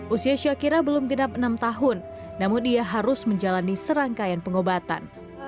usia syakira belum genap enam tahun namun dia harus menjalani serangkaian pengobatan